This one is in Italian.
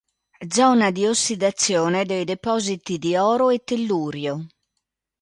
Zona di ossidazione dei depositi di oro e tellurio.